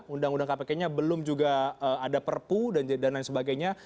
undang undang kpk nya belum juga ada perpu dan lain sebagainya